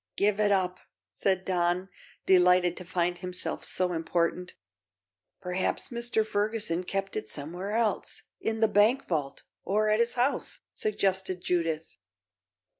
"Give it up," said Don, delighted to find himself so important. "Perhaps Mr. Ferguson kept it somewhere else; in the bank vault, or at his house," suggested Judith.